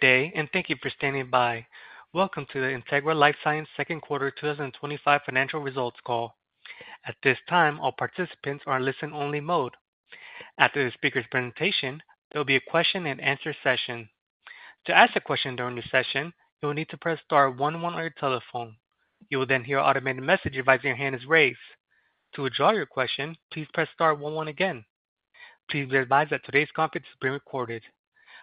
Good day and thank you for standing by. Welcome to the Integra LifeSciences second quarter 2025 financial results call. At this time all participants are in listen only mode. After the speaker's presentation there will be a question and answer session. To ask a question during the session you will need to press star one one on your telephone. You will then hear automated messages that your hand is raised. To withdraw your question, please press star one one again. Please be advised that today's conference is being recorded.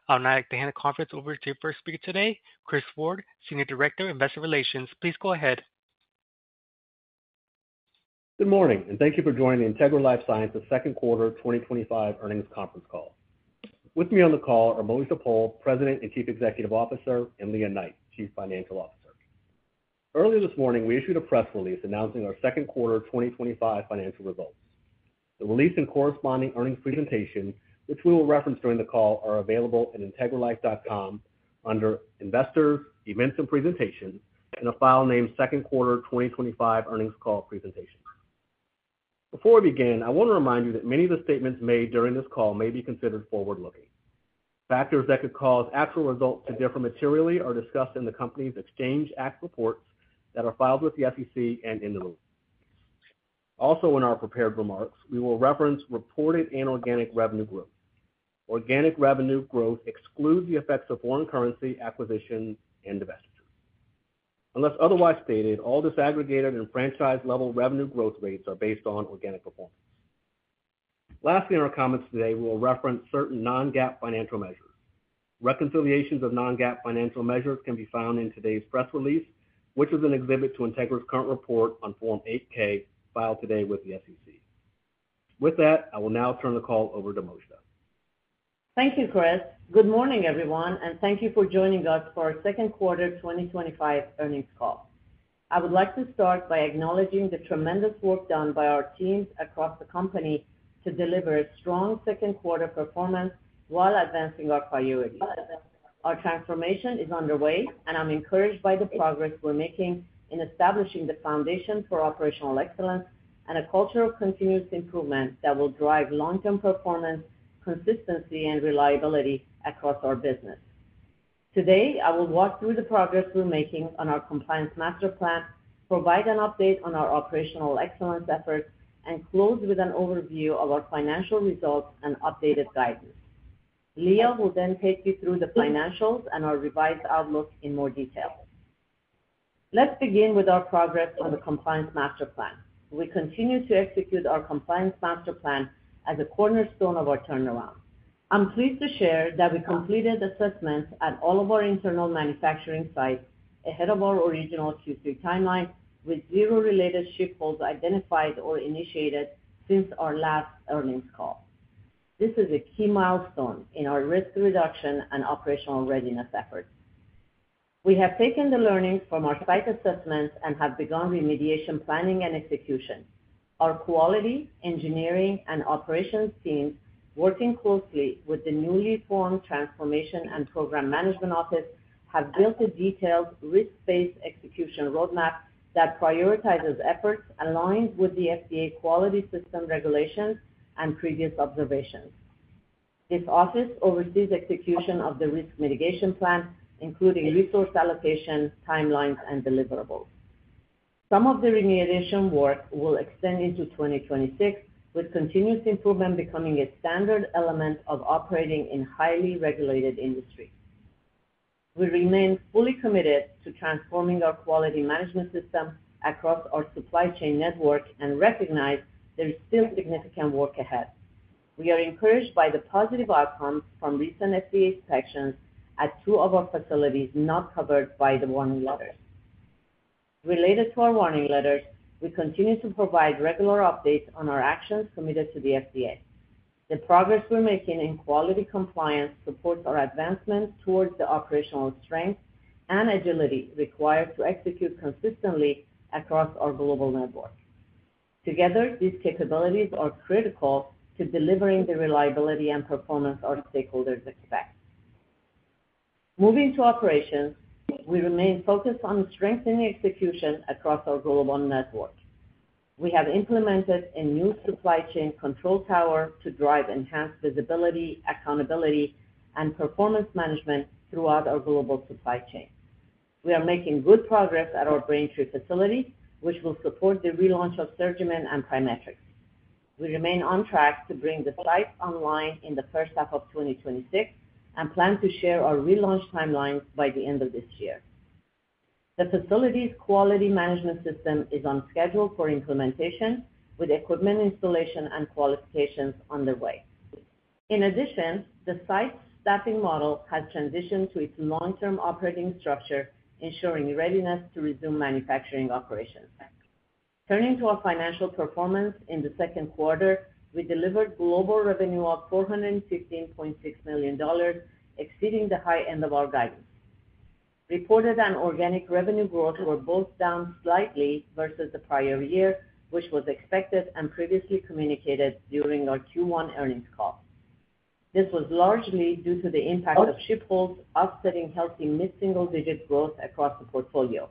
I would now like to hand the conference over to our first speaker today, Chris Ward, Senior Director of Investor Relations. Please go ahead. Good morning and thank you for joining the Integra LifeSciences second quarter 2025 earnings conference call. With me on the call are Mojdeh Poul, President and Chief Executive Officer, and Leah Knight, Chief Financial Officer. Earlier this morning we issued a press release announcing our second quarter 2025 financial results. The release and corresponding earnings presentation, which we will reference during the call, are available at integralife.com under Investor Events and Presentations in a file named Second Quarter 2025 Earnings Call Presentation. Before we begin, I want to remind you that many of the statements made during this call may be considered forward-looking. Factors that could cause actual results to differ materially are discussed in the company's Exchange Act reports that are filed with the SEC and in the loop. Also, in our prepared remarks we will reference reported and organic revenue growth. Organic revenue growth excludes the effects of foreign currency, acquisition, and divestitures. Unless otherwise stated, all disaggregated and franchise-level revenue growth rates are based on organic performance. Lastly, in our comments today we will reference certain non-GAAP financial measures. Reconciliations of non-GAAP financial measures can be found in today's press release, which was an exhibit to Integra's current report on Form 8-K filed today with the SEC. With that, I will now turn the call over to Mojdeh. Thank you, Chris. Good morning, everyone, and thank you for joining us for our second quarter 2025 earnings call. I would like to start by acknowledging the tremendous work done by our teams across the company to deliver a strong second quarter performance while advancing our priorities. Our transformation is underway, and I'm encouraged by the progress we're making in establishing the foundation for operational excellence and a culture of continuous improvement that will drive long-term performance, consistency, and reliability across our business. Today I will walk through the progress we're making on our Compliance Master Plan, provide an update on our operational excellence efforts, and close with an overview of our financial results and updated guidance. Leah will then take you through the financials and our revised outlook in more detail. Let's begin with our progress on the Compliance Master Plan. We continue to execute our Compliance Master Plan as a cornerstone of our turnaround. I'm pleased to share that we completed assessments at all of our internal manufacturing sites ahead of our original Q3 timeline, with zero related ship holds identified or initiated since our last earnings call. This is a key milestone in our risk reduction and operational readiness efforts. We have taken the learnings from our site assessments and have begun remediation planning and execution. Our quality engineering and operations teams, working closely with the newly formed Transformation and Program Management Office, have built a detailed risk-based execution roadmap that prioritizes efforts aligned with the FDA quality system regulations and previous observations. This office oversees execution of the risk mitigation plan, including resource allocation, timelines, and deliverables. Some of the remediation work will extend into 2026, with continuous improvement becoming a standard element of operating in highly regulated industries. We remain fully committed to transforming our quality management system across our supply chain network and recognize there is still significant work ahead. We are encouraged by the positive outcome from recent FDA inspections at two of our facilities not covered by the warning letter related to our warning letters. We continue to provide regular updates on our actions submitted to the FDA. The progress we're making in quality compliance supports our advancement towards the operational strength and agility required to execute consistently across our global network. Together, these capabilities are critical to delivering the reliability and performance our stakeholders expect. Moving to Operations, we remain focused on strengthening execution across our global network. We have implemented a new supply chain control tower to drive enhanced visibility, accountability, and performance management throughout our global supply chain. We are making good progress at our Braintree facilities, which will support the relaunch of SurgiMend and PriMatrix. We remain on track to bring the site online in the first half of 2026 and plan to share our relaunch timeline by the end of this year. The facility's quality management system is on schedule for implementation, with equipment installation and qualifications underway. In addition, the site staffing model has transitioned to its long-term operating structure, ensuring readiness to resume manufacturing operations. Turning to our financial performance, in the second quarter we delivered global revenue of $415.6 million, exceeding the high end of our guidance. Reported and organic revenue growth were both down slightly versus the prior year, which was expected and previously communicated during our Q1 earnings call. This was largely due to the impact of ship holds offsetting healthy mid single-digit growth across the portfolio,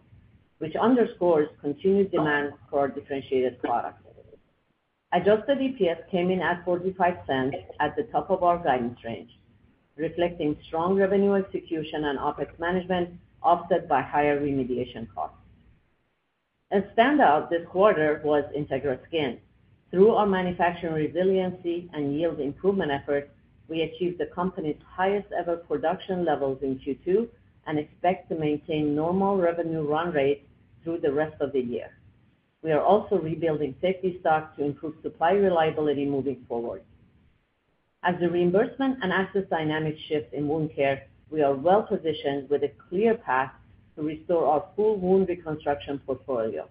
which underscores continued demand for our differentiated products. Adjusted EPS came in at $0.45, at the top of our guidance range, reflecting strong revenue execution and OpEx management offset by higher remediation costs. A standout this quarter was Integra Skin. Through our manufacturing resiliency and yield improvement effort, we achieved the company's highest ever production levels in Q2 and expect to maintain normal revenue run rate through the rest of the year. We are also rebuilding techy stock to improve supply reliability moving forward. As the reimbursement and access dynamics shift in wound care, we are well positioned with a clear path to restore our full wound reconstruction portfolio.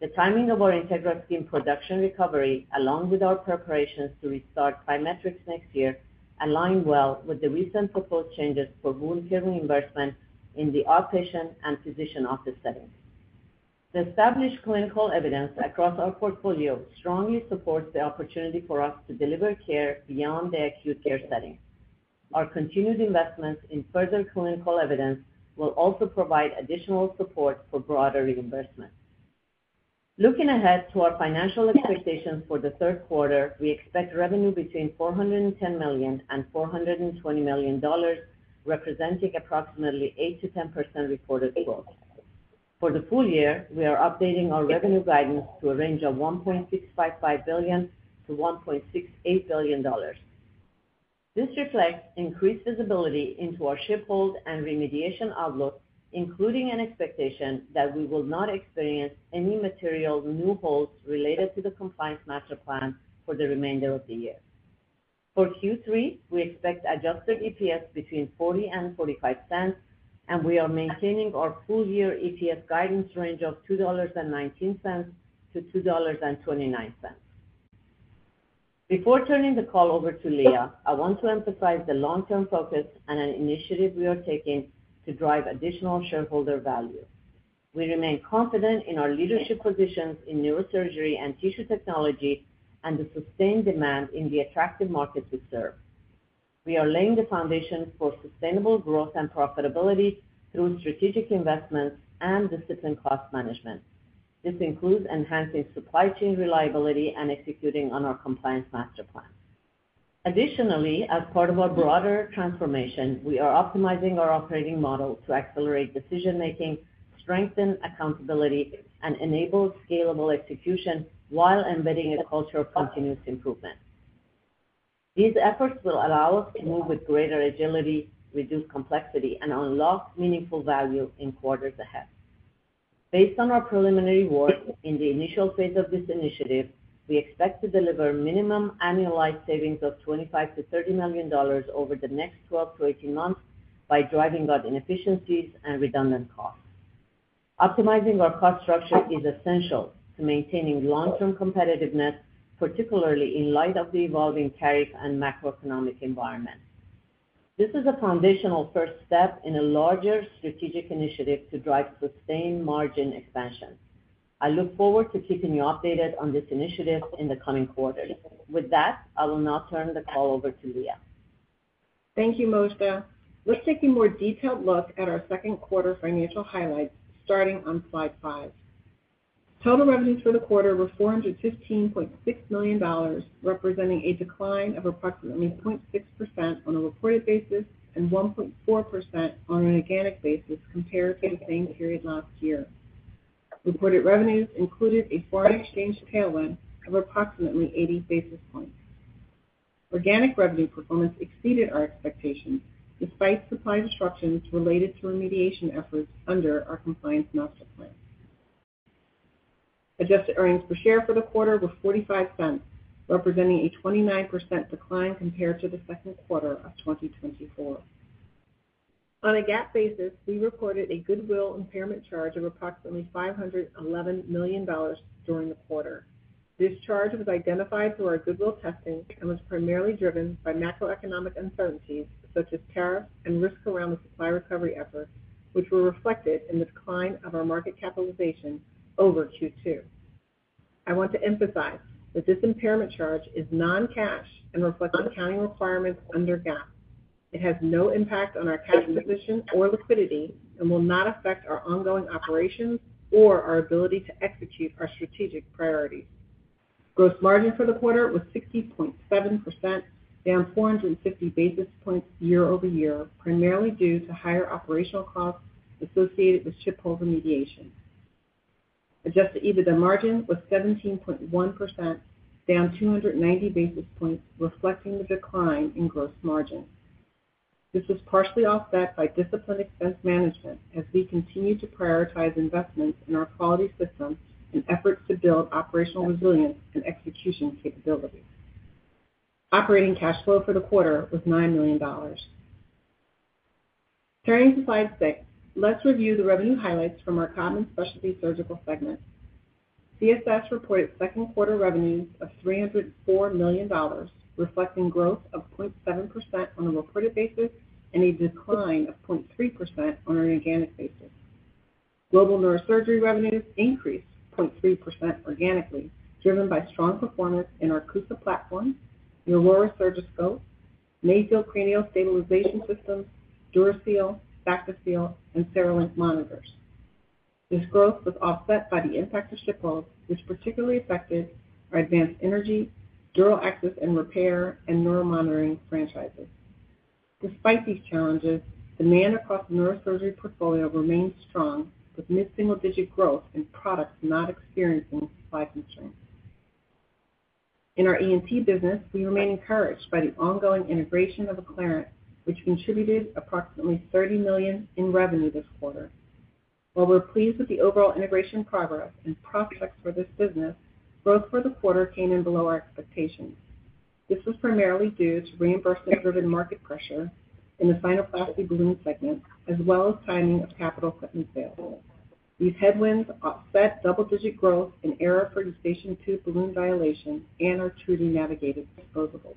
The timing of our Integra team production recovery, along with our preparations to restart PriMatrix next year, align well with the recent proposed changes for wound care reimbursement in the outpatient and physician office settings. The established clinical evidence across our portfolio strongly supports the opportunity for us to deliver care beyond the acute care setting. Our continued investment in further clinical evidence will also provide additional support for broader reimbursement. Looking ahead to our financial expectations for the third quarter, we expect revenue between $410 million and $420 million, representing approximately 8%-10% reported growth for the full year. We are updating our revenue guidance to a range of $1.655 billion-$1.68 billion. This reflects increased visibility into our ship hold and remediation outlook, including an expectation that we will not experience any material new holds related to the Compliance Master Plan for the remainder of the year. For Q3, we expect adjusted EPS between $0.40 and $0.45, and we are maintaining our full year EPS guidance range of $2.19-$2.29. Before turning the call over to Lea, I want to emphasize the long-term focus and initiative we are taking to drive additional shareholder value. We remain confident in our leadership positions in neurosurgery and tissue technology and the sustained demand in the attractive market we serve. We are laying the foundation for sustainable growth and profitability through strategic investments and disciplined cost management. This includes enhancing supply chain reliability and executing on our Compliance Master Plan. Additionally, as part of our broader transformation, we are optimizing our operating model to accelerate decision making, strengthen accountability, and enable scalable execution while embedding a culture of continuous improvement. These efforts will allow us to move with greater agility, reduce complexity, and unlock meaningful value in quarters ahead. Based on our preliminary work in the initial phase of this initiative, we expect to deliver minimum annualized savings of $25 million-$30 million over the next 12-18 months by driving out inefficiencies and redundant costs. Optimizing our cost structure is essential to maintaining long-term competitiveness, particularly in light of the evolving cave and macroeconomic environment. This is a foundational first step in a larger strategic initiative to drive sustained margin expansion. I look forward to keeping you updated on this initiative in the coming quarters. With that, I will now turn the call over to Lea. Thank you, Mojdeh. Let's take a more detailed look at our second quarter financial highlights starting on Slide 5. Total revenues for the quarter were $415.6 million, representing a decline of approximately 0.6% on a reported basis and 1.4% on an organic basis compared to the same period last year. Reported revenues included a foreign exchange tailwind of approximately 80 basis points. Organic revenue performance exceeded our expectations despite supply disruptions related to remediation efforts under our Compliance Master Plan. Adjusted earnings per share for the quarter were $0.45, representing a 29% decline compared to the second quarter of 2024 on a GAAP basis. We reported a goodwill impairment charge of approximately $511 million during the quarter. This charge was identified through our goodwill testing and was primarily driven by macroeconomic uncertainty such as tariff and risks around the recovery efforts, which were reflected in the decline of our market capitalization over Q2. I want to emphasize that this impairment charge is non-cash and reflects accounting requirements under GAAP. It has no impact on our cash position or liquidity and will not affect our ongoing operations or our ability to execute our strategic priorities. Gross margin for the quarter was 60.7%, down 450 basis points year-over-year, primarily due to higher operational costs associated with ship hold remediation. Adjusted EBITDA margin was 17.1%, down 290 basis points, reflecting the decline in gross margin. This was partially offset by disciplined expense management as we continue to prioritize investments in our quality system in efforts to build operational resilience and execution capabilities. Operating cash flow for the quarter was $9 million. Turning to Slide 6, let's review the revenue highlights from our Codman Specialty Surgical segment. CSS reported second quarter revenues of $304 million, reflecting growth of 0.7% on a reported basis and a decline of 0.3% on an organic basis. Global Neurosurgery revenue increased organically, driven by strong performance in our CUSA platform, the Aurora Surgiscope, Mayfield cranial stabilization systems, DuraSeal, Bactiseal, and Cerelink monitors. This growth was offset by the impact of ship hold, particularly affecting advanced energy dural access and repair and neuromonitoring franchises. Despite these challenges, the Neurosurgery portfolio remains strong with mid single digit growth in products not experiencing supply constraints. In our ENT business we remain encouraged by the ongoing integration of Acclarent, which contributed approximately $30 million in revenue this quarter. While we're pleased with the overall integration progress and prospects for this business, growth for the quarter came in below our expectations. This was primarily due to reimbursement-driven market pressure in the sinuplasty balloon segment as well as timing of capital equipment sales. These headwinds offset double digit growth in AERA Eustachian tube balloon dilation and our TruDi navigated disposables.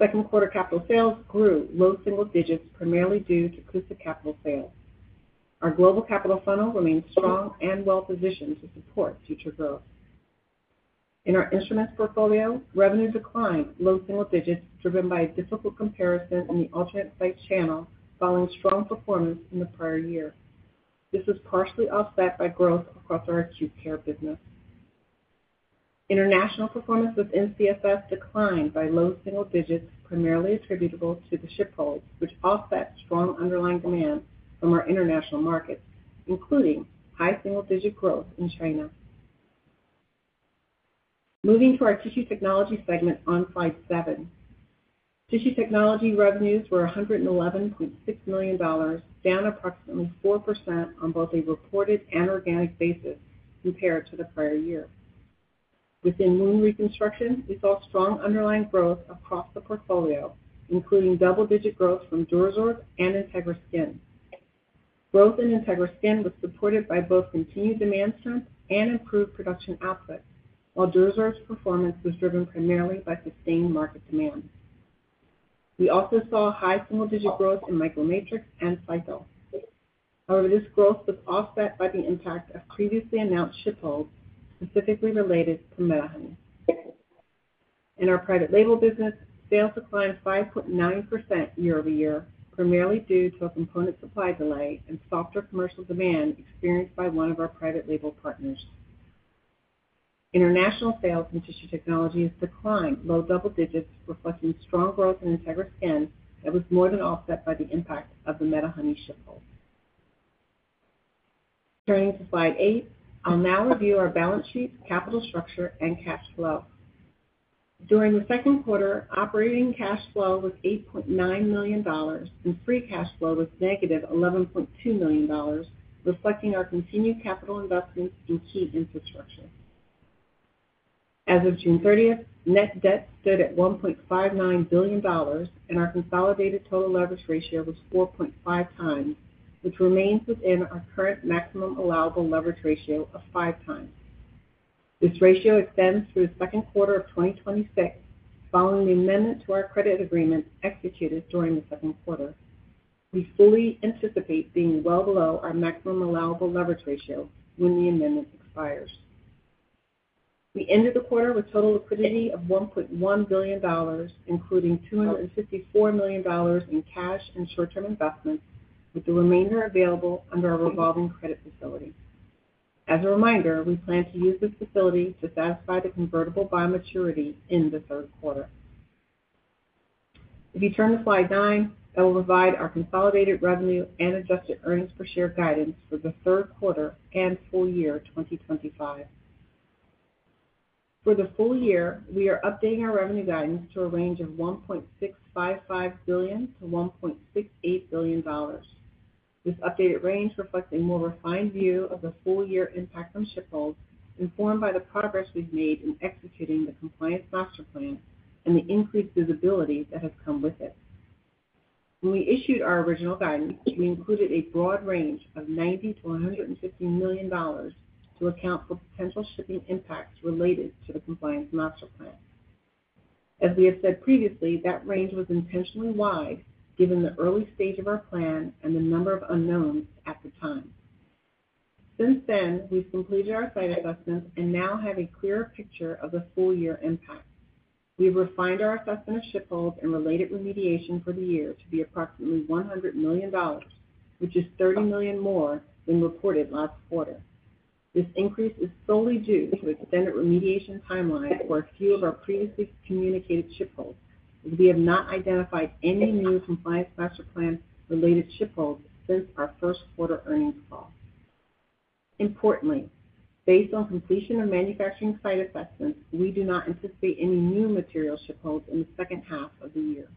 Second quarter capital sales grew low single digits, primarily due to acoustic capital sales. Our global capital funnel remains strong and well positioned to support future growth in our instruments. Portfolio revenue declined low single digits, driven by difficult comparison in the alternate site channel following strong performance in the prior year. This is partially offset by growth across our acute care business. International performance within CSS declined by low single digits, primarily attributable to the ship hold, which offset strong underlying demand from our international market, including high single digit growth in China. Moving to our Tissue Technology segment on Slide 7, Tissue Technology revenues were $111.6 million, down approximately 4% on both a reported and organic basis compared to the prior year. Within wound reconstruction, we saw strong underlying growth across the portfolio, including double digit growth from DuraSorb and Integra Skin. Growth in Integra Skin was supported by both continued demand strength and improved production output, while DuraSorb's performance was driven primarily by sustained market demand. We also saw high single digit growth in MicroMatrix and Cytal. However, this growth was offset by the impact of previously announced ship holds, specifically related to [SurgiMend]. In our private label business, sales declined 5.9% year-over-year, primarily due to a component supply delay and softer commercial demand experienced by one of our private label partners. International sales in Tissue Technology declined low double digits, reflecting strong growth in [Integra Skin] that was more than offset by the impact of the Medihoney ship hold. Turning to slide 8, I'll now review our balance sheet, capital structure, and cash flow. During the second quarter, operating cash flow was $8.9 million and free cash flow was -$11.2 million, reflecting our continued capital investment in key infrastructure. As of June 30th, net debt stood at $1.59 billion, and our consolidated total leverage ratio was 4.5x, which remains within our current maximum allowable leverage ratio of 5x. This ratio extends through the second quarter of 2026. Following the amendment to our credit agreement executed during the second quarter, we fully anticipate being well below our maximum allowable leverage ratio when the amendment expires. We ended the quarter with total liquidity of $1.1 billion, including $254 million in cash and short-term investment with the remainder available under our Revolving Credit Facility. As a reminder, we plan to use this facility to satisfy the convertible by maturity in the third quarter. If you turn to Slide 9, that will provide our Consolidated Revenue and Adjusted Earnings Per Share guidance for the third quarter and full year 2025. For the full year, we are updating our revenue guidance to a range of $1.655 billion-$1.68 billion. This updated range reflects a more refined view of the full year impact on ship holds, informed by the progress we've made in executing the Compliance Master Plan and the increased visibility that has come with it. When we issued our original guidance, we included a broad range of $90 million-$150 million to account for potential shipping impact related to the Compliance Master Plan. As we have said previously, that range was intentionally wide given the early stage of our plan and the number of unknowns at the time. Since then, we've completed our site assessments and now have a clearer picture of the full year impact. We refined our assessment of ship holds related remediation for the year to be approximately $100 million, which is $30 million more than reported last quarter. This increase is solely due to extended remediation timelines for a few of our previously communicated ship holds. We have not identified any new Compliance Master Plan related ship holds since our first quarter earnings call. Importantly, based on completion of manufacturing site assessments, we do not anticipate any new material ship holds in the second half of the year.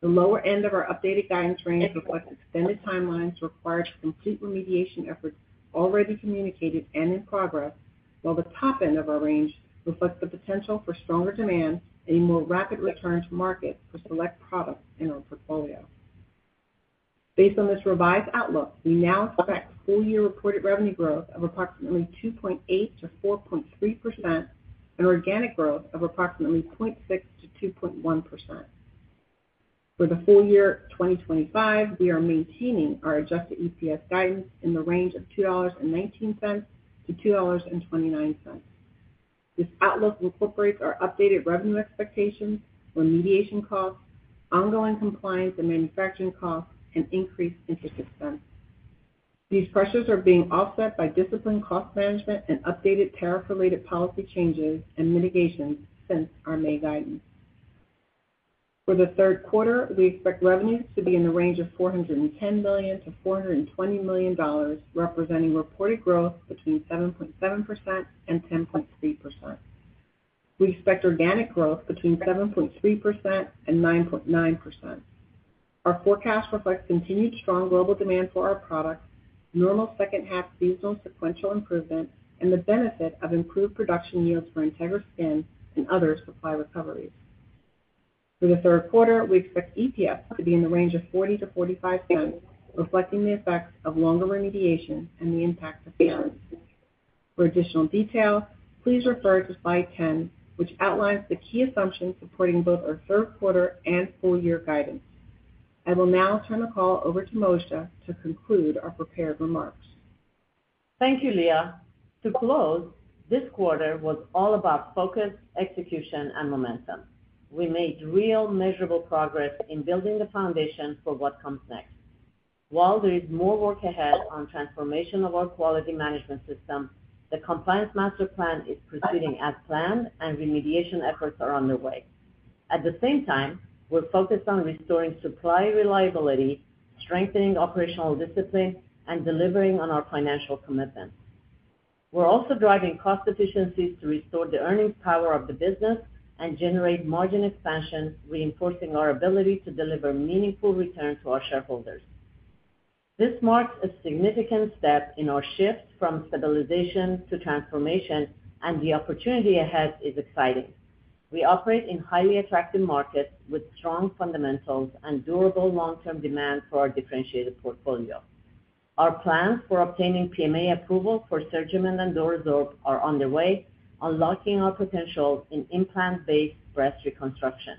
The lower end of our updated guidance range reflects extended timelines required for complete remediation efforts already communicated and in progress, while the top end of our range reflects the potential for stronger demand, a more rapid return to market for select products in our portfolio. Based on this revised outlook, we now expect full year reported revenue growth of approximately 2.8%-4.3% and organic growth of approximately 0.6%-2.1%. For the full year 2025, we are maintaining our adjusted EPS guidance in the range of $2.19-$2.29. This outlook incorporates our updated revenue expectations, remediation costs, ongoing compliance and manufacturing costs, and increased interest expense. These pressures are being offset by disciplined cost management and updated tariff related policy changes and mitigation since our May guidance. For the third quarter, we expect revenue to be in the range of $410 million-$420 million, which represents reported growth between 7.7% and 10.3%. We expect organic growth between 7.3% and 9.9%. Our forecast reflects continued strong global demand for our product, normal second half seasonal sequential improvement, and the benefit of improved production yields for Integra Skin and other supply recoveries. For the third quarter, we expect EPS to be in the range of $0.40-$0.45, reflecting the effects of longer run deviation and the impact of the earnings. For additional detail, please refer to Slide 10, which outlines the key assumptions supporting both our third quarter and full year guidance. I will now turn the call over to Mojdeh Poul to conclude our prepared remarks. Thank you, Lea. To close, this quarter was all about focus, execution, and momentum. We made real, measurable progress in building the foundation for what comes next. While there is more work ahead on transformation of our quality management system, the Compliance Master Plan is proceeding as planned and remediation efforts are underway. At the same time, we're focused on restoring supply reliability, strengthening operational discipline, and delivering on our financial commitment. We're also driving cost efficiencies to restore the earnings power of the business and generate margin expansion, reinforcing our ability to deliver meaningful return to our shareholders. This marks a significant step in our shift from stabilization to transformation, and the opportunity ahead is exciting. We operate in highly attractive markets with strong fundamentals and durable long-term demand for our differentiated portfolio. Our plans for obtaining PMA approval for SurgiMend and DuraSorb are underway, unlocking our potential in implant-based breast reconstruction.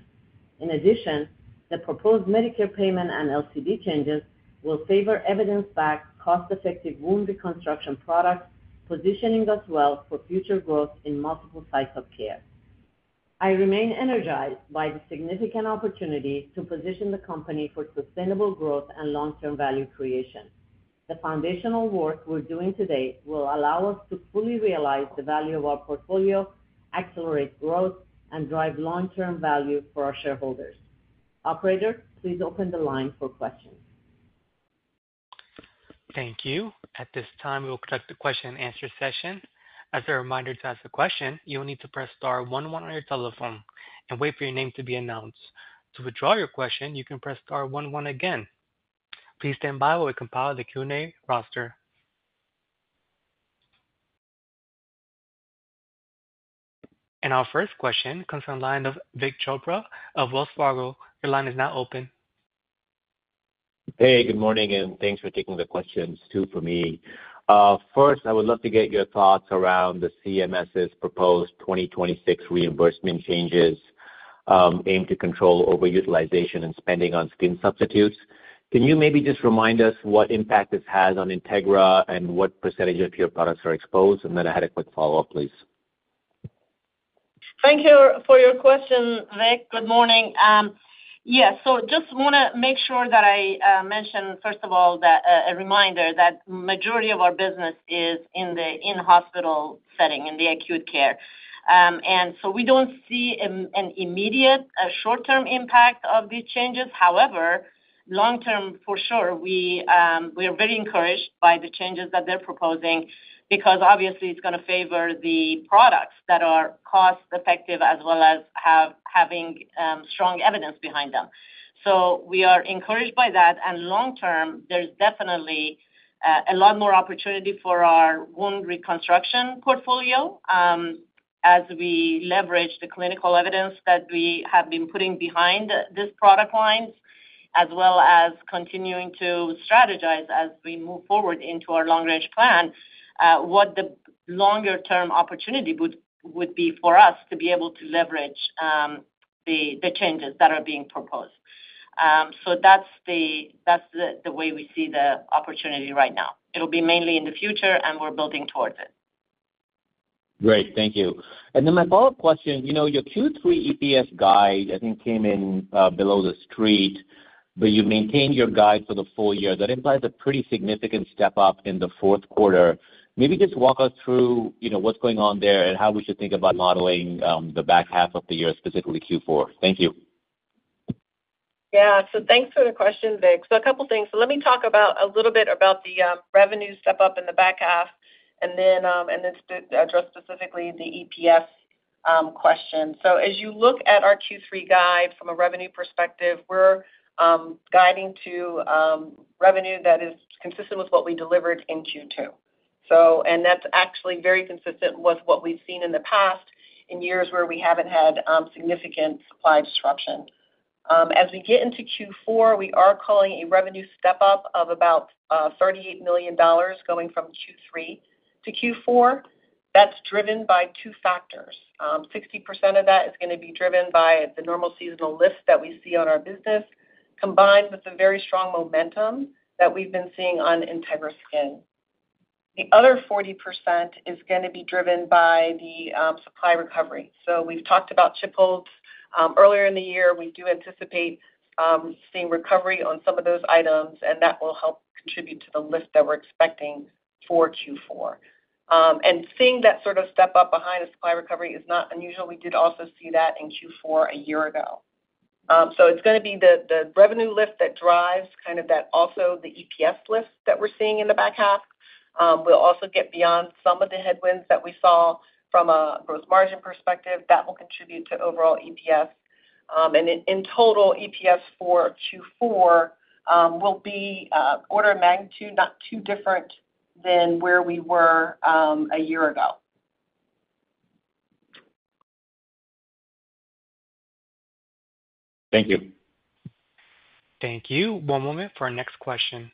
In addition, the proposed Medicare payment and LCD changes will favor evidence-backed, cost-effective wound reconstruction products, positioning us well for future growth in multiple types of care. I remain energized by the significant opportunity to position the company for sustainable growth and long-term value creation. The foundational work we're doing today will allow us to fully realize the value of our portfolio, accelerate growth, and drive long-term value for our shareholders. Operator, please open the line for questions. Thank you. At this time, we will conduct the question and answer session. As a reminder, to ask a question, you will need to press star one one on your telephone and wait for your name to be announced. To withdraw your question, you can press star one one again. Please stand by while we compile the Q and A roster. Our first question comes from the line of Vik Chopra of Wells Fargo. Your line is now open. Hey, good morning and thanks for taking the questions for me. First, I would love to get your thoughts around the CMS's proposed 2026 reimbursement changes aimed to control overutilization spending on skin substitutes. Can you maybe just remind us what impact this has on Integra and what percent of your products are exposed? I had a quick follow up please. Thank you for your question, Vik. Good morning. Yes. I just want to make sure that I mention, first of all, a reminder that the majority of our business is in the in-hospital setting, in acute care, and we don't see an immediate short-term impact of these changes. However, long term, for sure, we are very encouraged by the changes that they're proposing because obviously it's going to favor the products that are cost effective as well as having strong evidence behind them. We are encouraged by that. Long term, there's definitely a lot more opportunity for our wound reconstruction portfolio as we leverage the clinical evidence that we have been putting behind this product line, as well as continuing to strategize as we move forward into our long-range plan what the longer-term opportunity would be for us to be able to leverage the changes that are being proposed. That's the way we see the opportunity right now. It'll be mainly in the future, and we're building towards it. Great, thank you. My follow up question, your Q3 EPS guide I think came in below the street, but you maintain your guide for the full year. That implies a pretty significant step up in the fourth quarter. Maybe just walk us through what's going on there and how we should think about modeling the back half of the year, specifically Q4. Thank you. Yeah, thanks for the question, Vik. A couple things. Let me talk a little bit about the revenue step up in the back half and then address specifically the EPS question. As you look at our Q3 guide from a revenue perspective, we're guiding to revenue that is consistent with what we delivered in Q2. That's actually very consistent with what we've seen in the past in years where we haven't had significant supply disruption. As we get into Q4, we are calling a revenue step up of about $38 million going from Q3 to Q4. That's driven by two factors. 60% of that is going to be driven by the normal seasonal lift that we see on our business combined with the very strong momentum that we've been seeing on Integra Skin. The other 40% is going to be driven by the supply recovery. We've talked about ship holds earlier in the year. We do anticipate seeing recovery on some of those items and that will help contribute to the lift that we're expecting for Q4. Seeing that sort of step up behind a supply recovery is not unusual. We did also see that in Q4 a year ago. It's going to be the revenue lift that drives kind of that also the EPS lift that we're seeing in the back half. We'll also get beyond some of the headwinds that we saw from a gross margin perspective that will contribute to overall EPS. In total, EPS for Q4 will be order of magnitude not too different than where we were a year ago. Thank you. Thank you. One moment for our next question.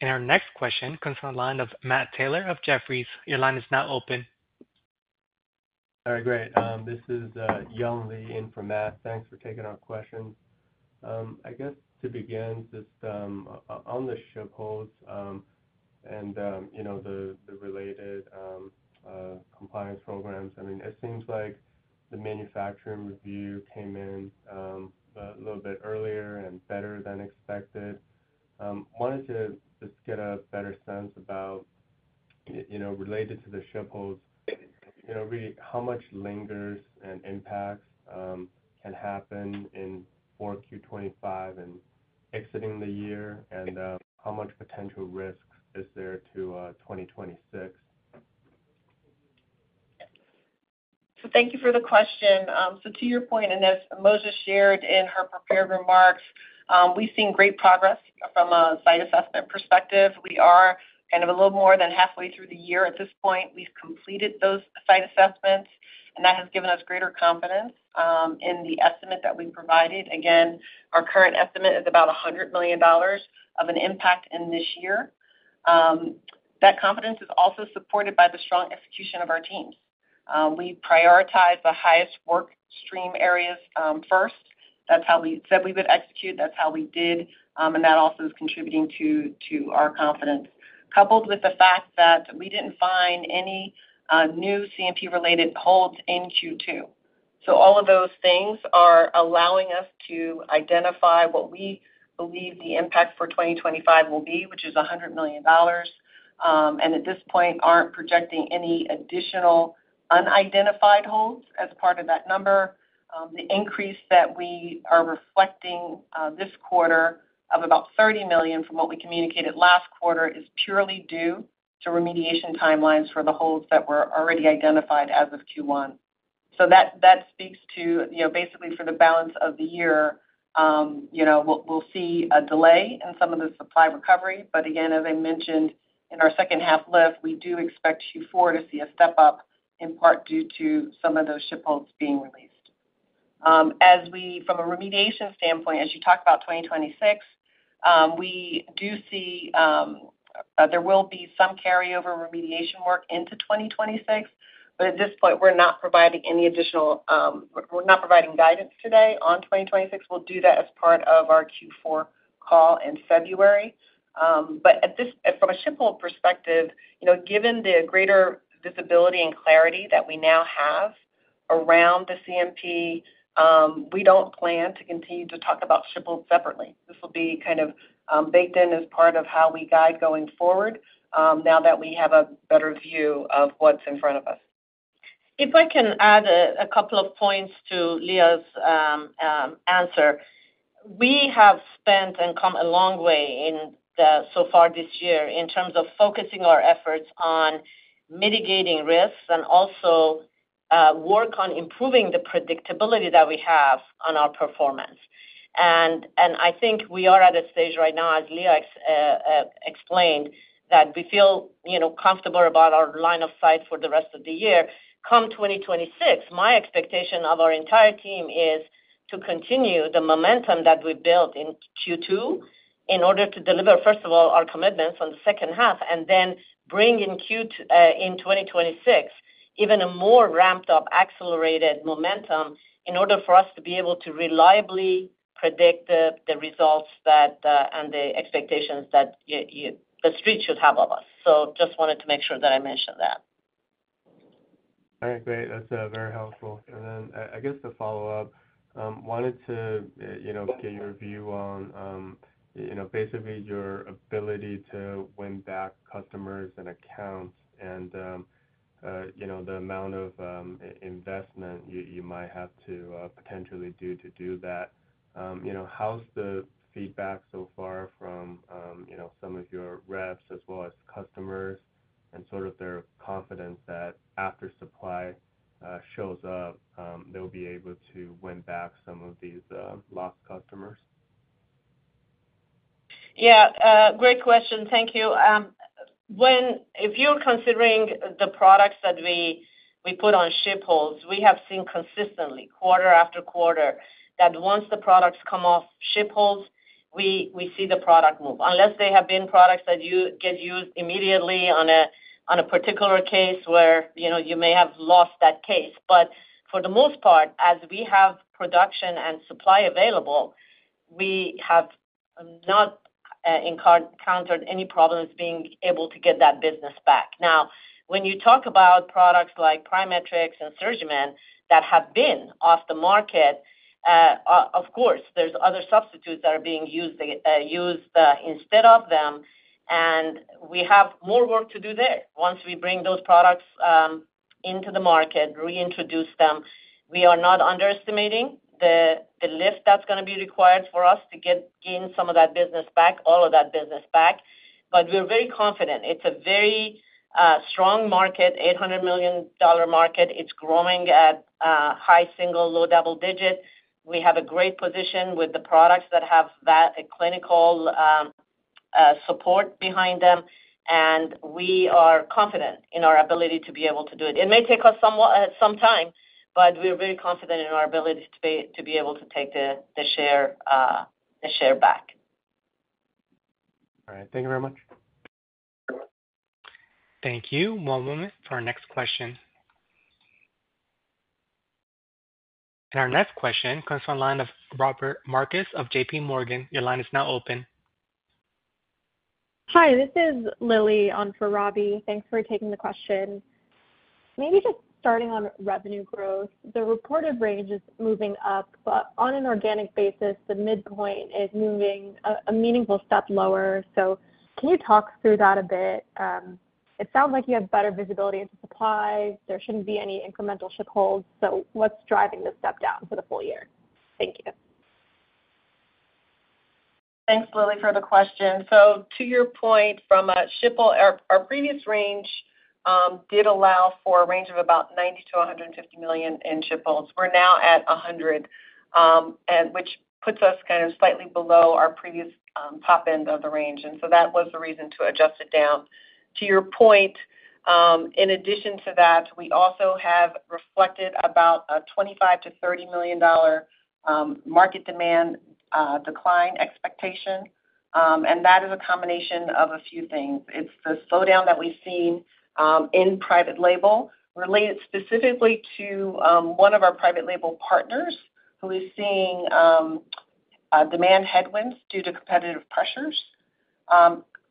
Our next question comes from the line of Matt Taylor of Jefferies. Your line is now open. All right, great. This is Young Li in for Matt. Thanks for taking our questions. I guess to begin this on the ship holds and the related compliance programs, it seems like the manufacturing review came in a little bit earlier and better than expected. Why don't you just get a better sense about, related to the ship holds, how much lingers and impacts can happen in 4Q 2025 and exiting the year, and how much potential risk is there to 2026. Thank you for the question. To your point, and as Mojdeh shared in her prepared remarks, we've seen great progress from a site assessment perspective. We are kind of a little more than halfway through the year at this point. We've completed those site assessments, and that has given us greater confidence in the estimate that we provided. Again, our current estimate is about $100 million of an impact in this year. That confidence is also supported by the strong execution of our team. We prioritize the highest work stream areas first. That's how we said we would execute. That's how we did. That also is contributing to our confidence, coupled with the fact that we didn't find any new CMT-related holds in Q2. All of those things are allowing us to identify what we believe the impact for 2025 will be, which is $100 million, and at this point aren't projecting any additional unidentified holds as part of that number. The increase that we are reflecting this quarter of about $30 million from what we communicated last quarter is purely due to remediation timelines for the holds that were already identified as of Q1. That speaks to, basically, for the balance of the year, we'll see a delay in some of the supply recovery. Again, as I mentioned in our second half lift, we do expect Q4 to see a step up in part due to some of those ship holds being released. From a remediation standpoint, as you talk about 2026, we do see there will be some carryover remediation work into 2026, but at this point we're not providing any additional. We're not providing guidance today on 2026. We'll do that as part of our Q4 call in February. At this, from a ship hold perspective, given the greater visibility and clarity that we now have around the CMP, we don't plan to continue to talk about ship hold separately. This will be kind of baked in as part of how we guide going forward now that we have a better view of what's in front of us. If I can add a couple of points to Lea's answer, we have spent and come a long way so far this year in terms of focusing our efforts on mitigating risks and also work on improving the predictability that we have on our performance. I think we are at a stage right now, as Leah explained, that we feel comfortable about our line of sight for the rest of the year come 2026. My expectation of our entire team is to continue the momentum that we built in Q2 in order to deliver first of all our commitments on the second half and then bring in 2026, even a more ramped up, accelerated momentum in order for us to be able to reliably predict the results and the expectations that the street should have of us. I just wanted to make sure that I mentioned that. Great, that's very helpful. I guess the follow up wanted to get your view on, you know, basically your ability to win back customers and accounts and, you know, the amount of investment you might have to potentially do to do that. How's the feedback so far from, you know, some of your reps as well as customers and sort of their confidence that after supply shows up, they'll be able to win back some of these lost customers? Yeah. Great question. Thank you. If you're considering the products that we put on ship holds, we have seen consistently quarter after quarter that once the products come off ship holds, we see the product move unless they have been products that get used immediately on a particular case where you may have lost that case. For the most part, as we have production and supply available, we have not encountered any problems being able to get that business back. Now, when you talk about products like PriMatrix and SurgiMend that have been off the market, of course there's other substitutes that are being used instead of them and we have more work to do there once we bring those products into the market, reintroduce them. We are not underestimating the lift that's going to be required for us to get in some of that business back, all of that business back. We're very confident it's a very strong market, $800 million market, it's growing at high, single, low, double digit. We have a great position with the products that have that clinical support behind them and we are confident in our ability to be able to do it. It may take us some time, but we are very confident in our ability to be able to take the share back. All right, thank you very much. Thank you. One moment for our next question. Our next question comes from the line of Robert Marcus of JPMorgan. Your line is now open. Hi, this is Lily on for Robbie. Thanks for taking the question. Maybe just starting on revenue growth, the reported range is moving up, but on an organic basis, the midpoint is moving a meaningful step lower. Can you talk through that a bit? It sounds like you have better visibility into supply. There shouldn't be any incremental ship holds. What's driving this step down for the full year? Thank you. Thanks, Lily, for the question. To your point, from ship hold, our previous range did allow for a range of about $90 million-$150 million in ship holds. We're now at $100 million, which puts us slightly below our previous top end of the range. That was the reason to adjust it down to your point. In addition to that, we have also reflected about $25 million-$30 million market demand decline expectation. That is a combination of a few things. It's the slowdown that we've seen in private label, related specifically to one of our private label partners who is seeing demand headwinds due to competitive pressures,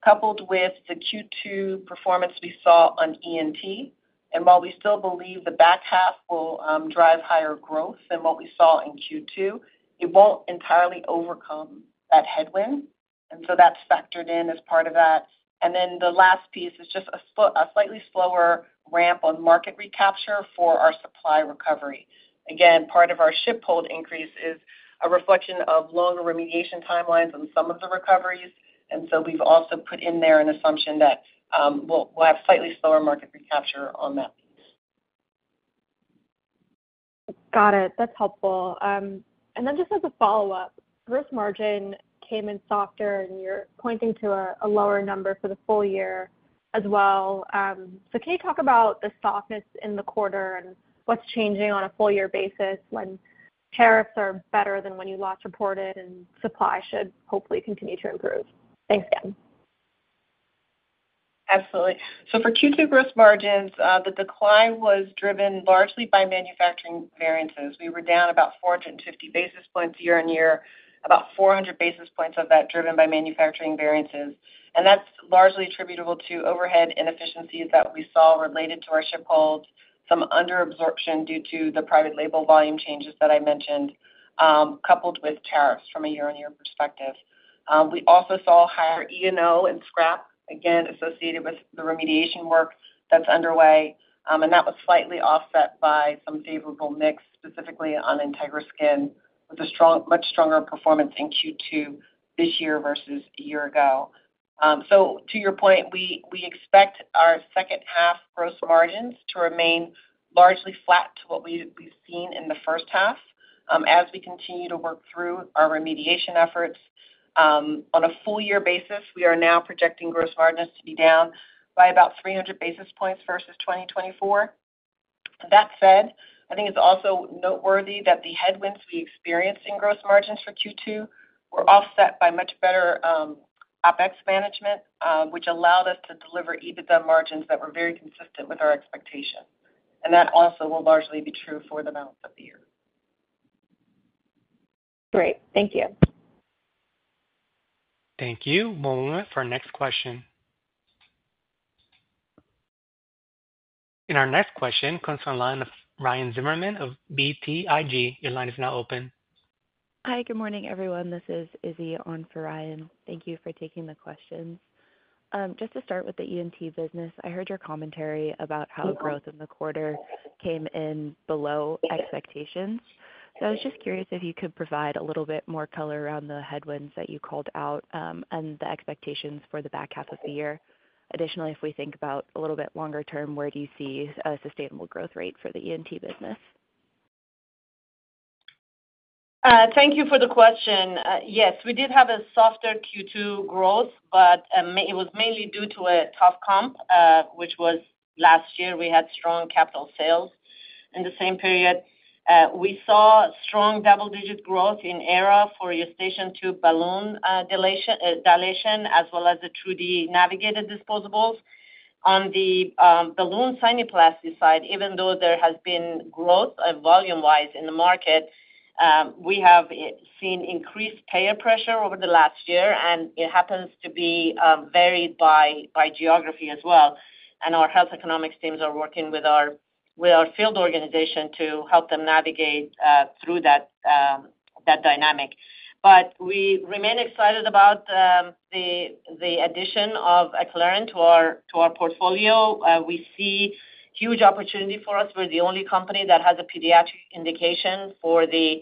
coupled with the Q2 performance we saw on ET. While we still believe the back half will drive higher growth than what we saw in Q2. It won't entirely overcome that headwind, and that's factored in as part of that. The last piece is just a slightly slower ramp on market recapture for our supply recovery. Part of our ship hold increase is a reflection of longer remediation timelines on some of the recoveries, and we've also put in there an assumption that we'll have slightly slower market recapture on that. Got it. That's helpful. Just as a follow up, gross margin came in softer and you're pointing to a lower number for the full year as well. Can you talk about the softness in the quarter and what's changing on a full year basis when tariffs are better than when you last reported and supply should hopefully continue to improve? Thanks again. Absolutely. For Q3 gross margins, the decline was driven largely by manufacturing variances. We were down about 450 basis points year on year, about 400 basis points of that driven by manufacturing variances, and that's largely attributable to overhead inefficiencies that we saw related to our ship hold, some under absorption due to the private label volume changes that I mentioned, coupled with tariffs. From a year on year perspective, we also saw higher E&O and scrap, again associated with the remediation work that's underway, and that was slightly offset by some favorable mix, specifically on Integra Skin with a much stronger performance in Q2 this year versus a year ago. To your point, we expect our second half gross margins to remain largely flat to what we've seen in the first half as we continue to work through our remediation efforts. On a full year basis, we are now projecting gross margins to be down by about 300 basis points versus 2024. That said, I think it's also noteworthy that the headwinds we experienced in gross margins for Q2 were offset by much better OpEx management, which allowed us to deliver EBITDA margins that were very consistent with our expectations and that also will largely be true for the remainder of the year. Great. Thank you. Thank you. For our next question, our next question comes from Ryan Zimmerman of BTIG. Your line is now open. Hi, good morning everyone. This is Izzy on for Ryan. Thank you for taking the questions. Just to start with the ENT business, I heard your commentary about how growth in the quarter came in below expectations. I was just curious if you could provide a little bit more color around the headwinds that you called out and the expectations for the back half of the year. Additionally, if we think about a little bit longer term, where do you see a sustainable growth rate for the ENT business? Thank you for the question. Yes, we did have a softer Q2 growth, but it was mainly due to a tough comp, which was last year we had strong capital sales. In the same period, we saw strong double-digit growth in AERA for Eustachian tube balloon dilation as well as the TruDi navigated disposables on the balloon sinuplasty side. Even though there has been growth volume-wise in the market, we have seen increased payer pressure over the last year, and it happens to be varied by geography as well. Our health economics teams are working with our field organization to help them navigate through that dynamic. We remain excited about the addition of Acclarent to our portfolio. We see huge opportunity for us. We're the only company that has a pediatric indication for the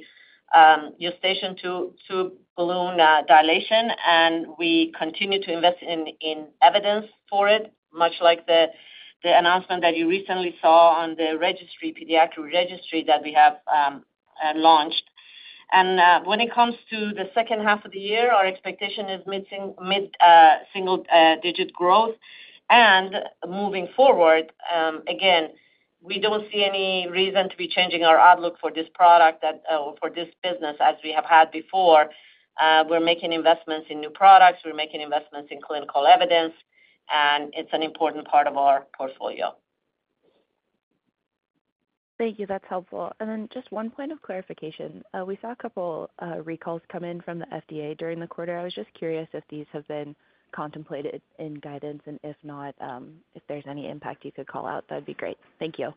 Eustachian tube balloon dilation, and we continue to invest in evidence for it, much like the announcement that you recently saw on the pediatric registry that we have launched. When it comes to the second half of the year, our expectation is mid single-digit growth and moving forward again. We don't see any reason to be changing our outlook for this product or for this business as we have had before. We're making investments in new products, we're making investments in clinical evidence, and it's an important part of our portfolio. Thank you, that's helpful. Just one point of clarification. We saw a couple recalls come in from the FDA during the quarter. I was just curious if these have been contemplated in guidance and if not, if there's any impact you could call out. That'd be great. Thank you.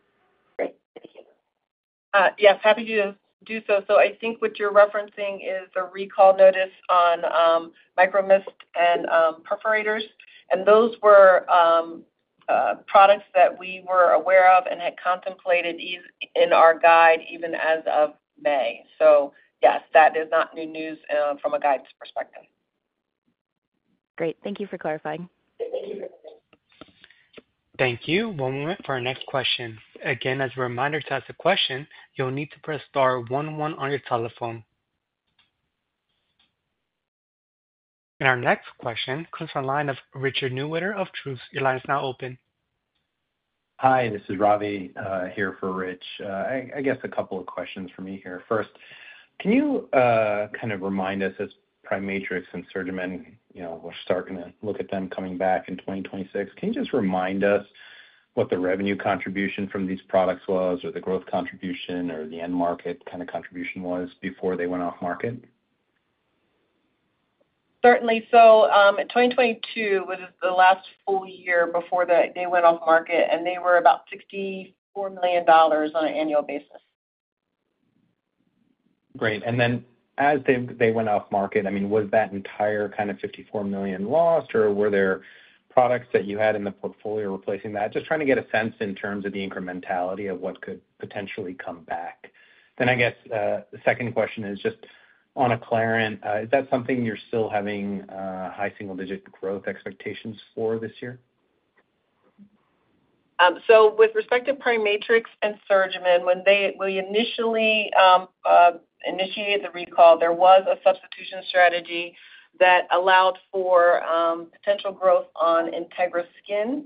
Yes, happy to do so. I think what you're referencing is the recall notice on micro mist and perforators, and those were products that we were aware of and had contemplated in our guide even as of May. Yes, that is not new news from a guide's perspective. Great. Thank you for clarifying. Thank you. One moment for our next question. Again, as a reminder, to ask a question, you'll need to press star 11 on your telephone. Our next question comes from the line of Richard Newitter of Truist. Your line is now open. Hi, this is Ravi here for Rich. I guess a couple of questions for me here. First, can you kind of remind us as PriMatrix and SurgiMend, you know, we're starting to look at them coming back in 2026. Can you just remind us what the revenue contribution from these products was or the growth contribution or the end market kind of contribution was before they went off market? Certainly. 2022 was the last full year before they went off market, and they were about $64 million on an annual basis. Great. As they went off market, was that entire kind of $54 million lost, or were there products that you had in the portfolio replacing that? I'm just trying to get a sense in terms of the incrementality of what could potentially come back. I guess the second question is just on Acclarent. Is that something you're still having high single-digit growth expectations for this year? With respect to PriMatrix and SurgiMend when they initially initiated the recall, there was a substitution strategy that allowed for potential growth on Integra Skin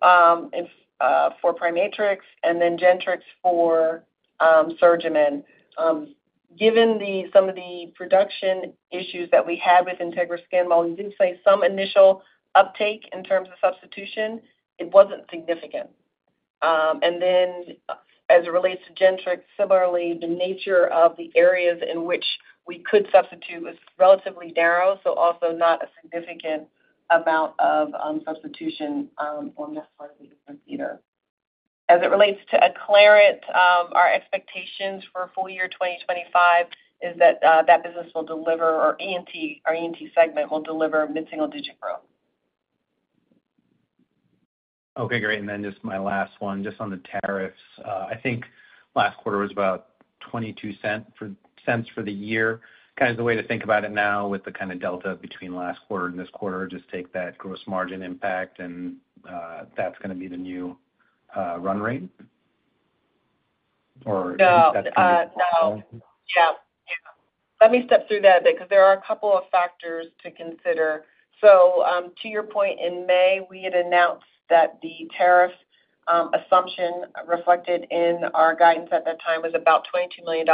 for PriMatrix and then Gentrix for SurgiMend. Given some of the production issues that we have with Integra Skin, we did see some initial uptake in terms of substitution. It wasn't significant, and then as it relates to Gentrix, similarly the nature of the areas in which we could substitute was relatively narrow, so also not a significant amount of substitution. This part of the either. As it relates to Acclarent, our expectations for full year 2025 is that that business will deliver, or our ENT segment will deliver, mid single digit growth. Okay, great. Just my last one on the tariffs. I think last quarter was about $0.22 for the year. Is the way to think about it now, with the delta between last quarter and this quarter, just take that gross margin impact and that's going to be the new run rate? Let me step through that because there are a couple of factors to consider. To your point, in May we had announced that the tariff assumption reflected in our guidance at that time was about $22 million.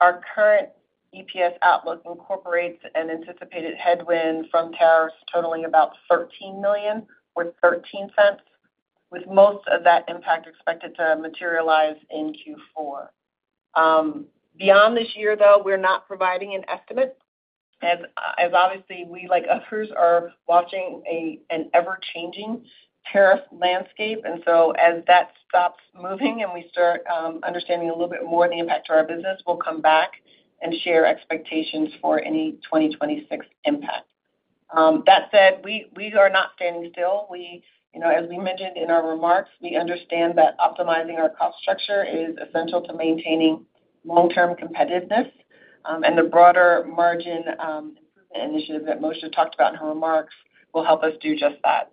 Our current EPS outlook incorporates an anticipated headwind from tariffs totaling about $13 million or $0.13, with most of that impact expected to materialize in Q4. Beyond this year, though, we're not providing an estimate as obviously we, like others, are watching an ever-changing tariff landscape. As that stops moving and we start understanding a little bit more the impact to our business, we'll come back and share expectations for any 2026 impact. That said, we are not standing still. As we mentioned in our remarks, we understand that optimizing our cost structure is essential to maintaining long-term competitiveness and the broader margin initiative that Mojdeh talked about in her remarks. Will help us do just that.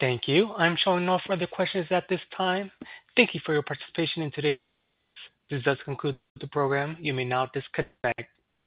Thank you. I'm showing no further questions at this time. Thank you for your participation in today's. This does conclude the program. You may now disconnect.